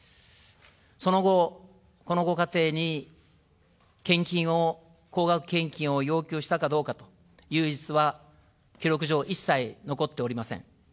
その後、このご家庭に献金を、高額献金を要求したかどうかという事実は、記録上、一切残っておりません。